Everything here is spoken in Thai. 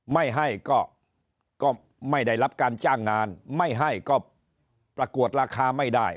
ไม่ให้ก็ไม่ได้รับการจ้างงานไม่ให้ก็ประกวดราคาไม่ได้